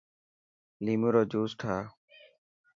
ليمون رو جوس ٺاهه.